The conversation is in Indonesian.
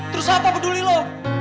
terus apa peduli lo